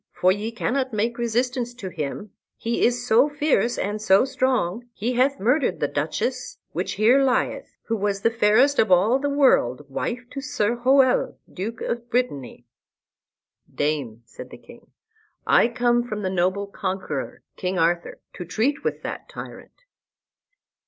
For ye cannot make resistance to him, he is so fierce and so strong. He hath murdered the Duchess, which here lieth, who was the fairest of all the world, wife to Sir Hoel, Duke of Brittany." "Dame," said the king, "I come from the noble conqueror, King Arthur, to treat with that tyrant."